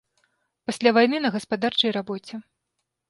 Пасля вайны на гаспадарчай рабоце.